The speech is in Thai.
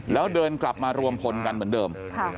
แล้วเดินกลับมารวมพลกันเหมือนเดิม